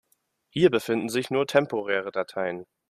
Hier befinden sich nur temporäre Dateien.